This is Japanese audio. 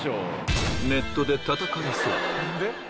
ネットでたたかれそう。